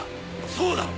そうだろ？